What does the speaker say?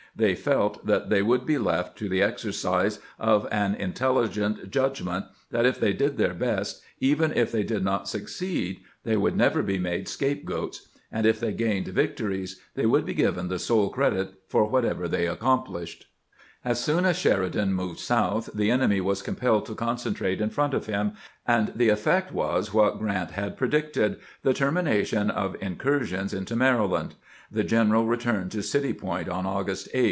They felt that they would be left to the exercise of an intelligent judgment; that if they did their best, even if they did not succeed, they would never be made scapegoats ; and if they gained victories they would be given the sole credit for whatever they accom plished. GENERAL GRANT HASTENING TO ORDER THE RECALL OP THE ASSAULTING COLUMN. A NEW COMMAND FOB SHERIDAN 273 As soon as Sheridan moved south the enemy was compelled to concentrate in front of him, and the effect was what Grant had predicted — the termination of in cursions into Maryland. The general returned to City Point on August 8.